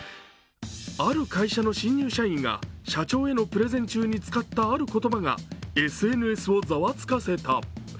ある会社の新入社員が社長へのプレゼン中に使ったある言葉がＳＮＳをざわつかせた。